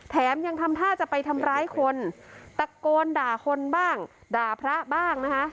แถมยังทำท่าจะไปทำร้ายคนตะโกนด่าคนบ้างด่าพระบ้างนะคะ